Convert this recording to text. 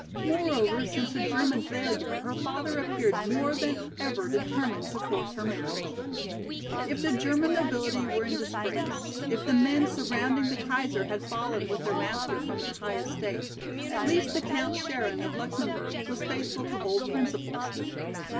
Moreover, since the German failure her father appeared more than ever determined to force her marriage. If the German nobility were in disgrace, if the men surrounding the Kaiser had fallen with their master from their high estate, at least the Count Scherin of Luxemburg was faithful to old principles.